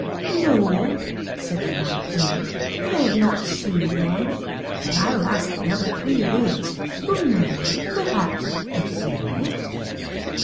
'No,' said the Night Wind, 'I have not seen one; but I will ask the other three Winds, who may, perhaps, have seen it.'